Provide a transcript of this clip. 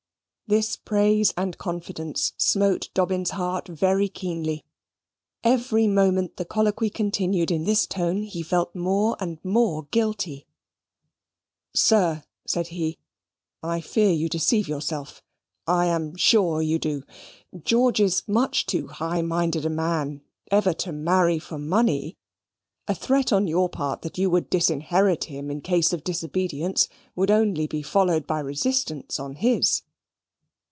This praise and confidence smote Dobbin's heart very keenly. Every moment the colloquy continued in this tone, he felt more and more guilty. "Sir," said he, "I fear you deceive yourself. I am sure you do. George is much too high minded a man ever to marry for money. A threat on your part that you would disinherit him in case of disobedience would only be followed by resistance on his."